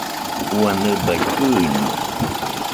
ua nɨbai ɨima!